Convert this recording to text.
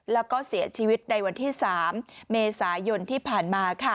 แล้วก็เสียชีวิตในวันที่๓เมษายนที่ผ่านมา